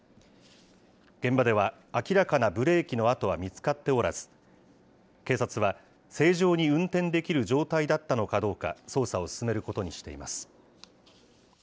現場では明らかなブレーキの痕は見つかっておらず、警察は、正常に運転できる状態だったのかどうか捜査を進めることにしています。